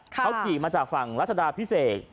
เขาขี่มาจากฝั่งรัชดาพิเศษ